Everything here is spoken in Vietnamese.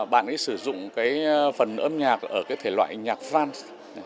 bạn ấy sử dụng cái phần âm nhạc ở cái thể loại nhạc văn